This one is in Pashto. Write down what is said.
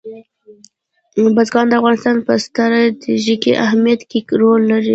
بزګان د افغانستان په ستراتیژیک اهمیت کې رول لري.